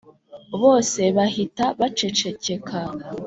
bose bahita bacecekeka